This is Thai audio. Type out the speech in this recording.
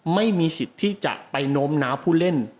ไม่มีสิทธิ์ที่จะไปโน้มน้าวผู้เล่น